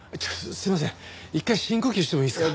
すいません一回深呼吸してもいいですか？